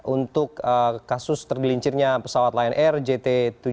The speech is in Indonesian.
untuk kasus tergelincirnya pesawat lion air jt tujuh ratus sepuluh